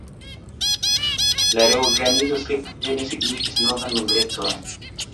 La reorganizo sekve ne signifis novan membrecon.